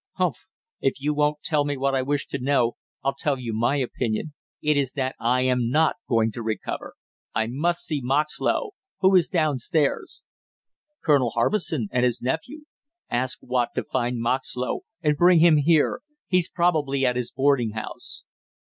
"Humph if you won't tell me what I wish to know, I'll tell you my opinion; it is that I am not going to recover. I must see Moxlow. Who is down stairs?" "Colonel Harbison and his nephew." "Ask Watt to find Moxlow and bring him here. He's probably at his boarding house."